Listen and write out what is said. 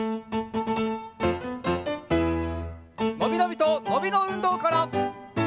のびのびとのびのうんどうから！